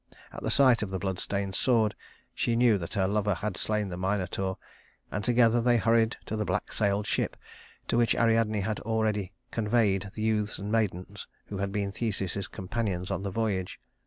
At the sight of the blood stained sword she knew that her lover had slain the Minotaur, and together they hurried to the black sailed ship, to which Ariadne had already conveyed the youths and maidens who had been Theseus's companions on the voyage.